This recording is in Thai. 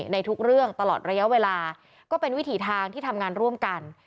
ในทุกเรื่องตลอดระยะเวลาก็เป็นวิถีทางที่ทำงานร่วมกัน